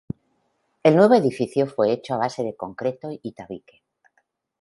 El nuevo edificio fue hecho a base de concreto y tabique.